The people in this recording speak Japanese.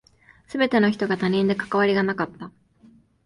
全ての人が他人で関わりがなかった。